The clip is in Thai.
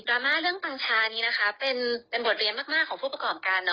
ดราม่าเรื่องปัญชานี้นะคะเป็นเป็นบทเรียนมากมากของผู้ประกอบการเนอะ